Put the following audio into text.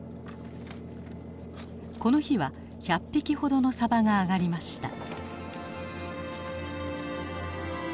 この日は１００匹ほどのさばがあがりました。